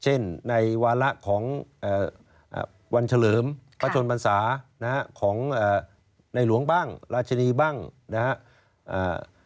เช่นในวาระของวันเฉลิมพระชนบรรษาของในหลวงบ้างราชนีบ้างนะฮะ